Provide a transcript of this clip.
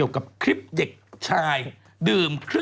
อ๋ออินโนเซนต์เหรอ